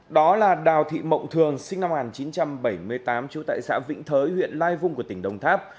đó là đào thị mộng thường sinh năm một nghìn chín trăm bảy mươi tám trú tại xã vĩnh thới huyện lai vung của tỉnh đồng tháp